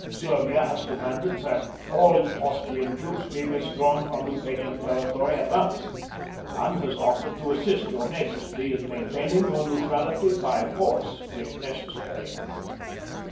Serbia has demanded that all Austrian troops be withdrawn from Luthanian territory at once, and has offered to assist your majesty in maintaining your neutrality by force, if necessary."